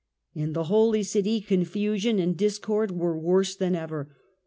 In the Holy City confusion and discord was worse than ever.